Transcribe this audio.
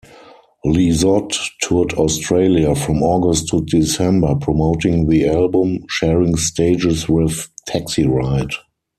Lizotte toured Australia from August to December promoting the album, sharing stages with Taxiride.